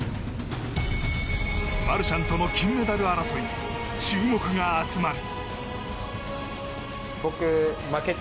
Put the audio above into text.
マルシャンとの金メダル争いに注目が集まる。